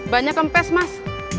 bannya kempes mas